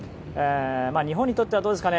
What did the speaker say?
日本にとってはどうですかね。